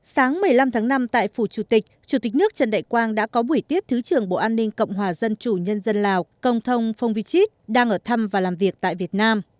sáng một mươi năm tháng năm tại phủ chủ tịch chủ tịch nước trần đại quang đã có buổi tiếp thứ trưởng bộ an ninh cộng hòa dân chủ nhân dân lào công thông phong vi chít đang ở thăm và làm việc tại việt nam